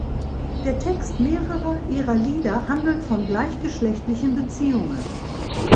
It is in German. Der Text mehrerer ihrer Lieder handelt von gleichgeschlechtlichen Beziehungen.